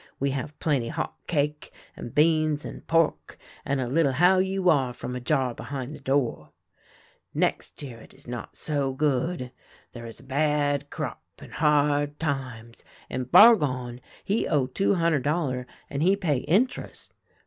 We have plenty hot cake, and beans and pork, and a little how you are from a jar behin' the door. " Next year it is not so good. There is a bad crop and hard times, and Bargon he owe two hunder' dollar, and he pay int'rest.